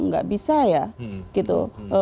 nggak bisa ya gitu